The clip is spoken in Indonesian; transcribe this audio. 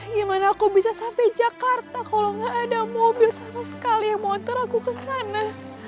gimana aku bisa sampai jakarta kalau gak ada mobil sama sekali yang mau antar aku kesana